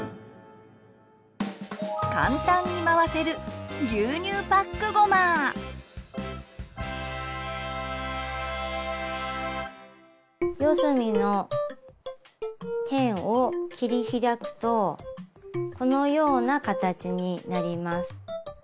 簡単に回せる四隅の辺を切り開くとこのような形になります。